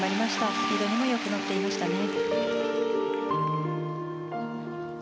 スピードにもよく乗っていましたね。